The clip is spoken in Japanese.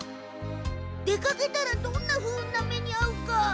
出かけたらどんな不運な目にあうか。